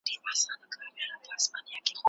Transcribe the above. موږ نسو کولای له ټولني جلا اوسو.